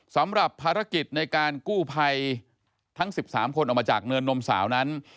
สำหรับภารกิจในการกู้ภัยทั้ง๑๓คนออกมาจากเนินนมสาวนั้น